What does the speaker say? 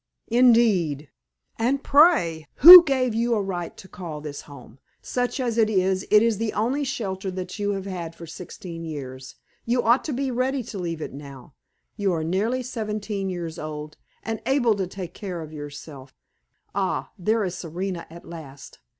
"Indeed! And pray, who gave you a right to call this home? Such as it is, it is the only shelter that you have had for sixteen years. You ought to be ready to leave it now. You are nearly seventeen years old, and able to take care of yourself. Ah! there is Serena at last!"